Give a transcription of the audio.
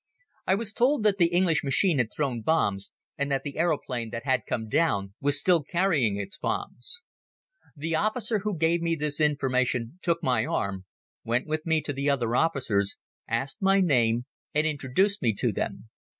I was told that the English machines had thrown bombs and that the aeroplane that had come down was still carrying its bombs. The officer who gave me this information took my arm, went with me to the other officers, asked my name and introduced me to them.